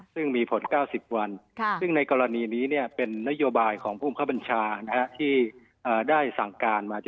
ซึ่งมีผล๙๐วันซึ่งในกรณีนี้เป็นนโยบายของภูมิคับบัญชาที่ได้สั่งการมา